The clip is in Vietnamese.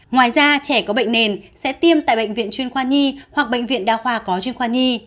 ngoài ra trẻ có bệnh nền sẽ tiêm tại bệnh viện chuyên khoa nhi hoặc bệnh viện đa khoa có chuyên khoa nhi